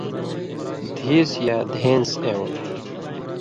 دِھیس یا دھېن٘س اېوں